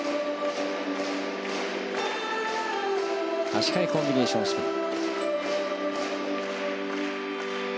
足換えコンビネーションスピン。